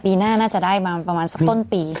ปีหน้าน่าจะได้มาประมาณสักต้นปี